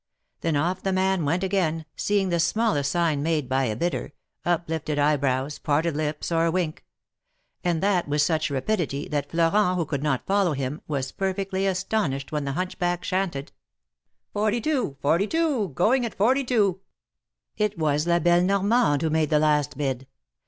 Then off the man went again, seeing the smallest sign made by a bidder — uplifted eyebrows, parted lips, or a wink ; and that with such rapidity, that Florent, who could not follow him, was perfectly astonished when the hunchback chanted : 128 THE MAEKETS OF PAEIS. Forty two ! forty two ! Going at forty two !" It was la belle Normande who made the last bid.